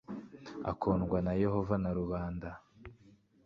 akundwa na yehova na rubanda